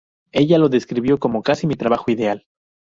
Ella lo describió como "casi mi trabajo ideal".